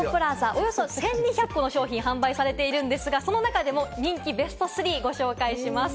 およそ１２００個の商品が販売されているんですが、その中でも人気ベスト３を紹介します。